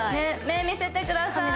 目見せてください